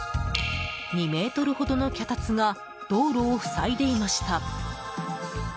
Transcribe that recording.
２ｍほどの脚立が道路を塞いでいました。